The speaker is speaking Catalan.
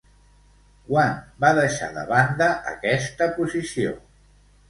Quan va deixar de banda aquesta posició?